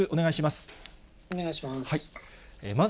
お願いします。